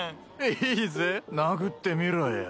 いいぜ殴ってみろよ。